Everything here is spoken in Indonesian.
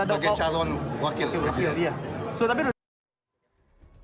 sebagai calon wakil presiden